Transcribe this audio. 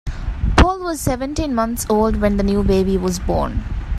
Paul was seventeen months old when the new baby was born.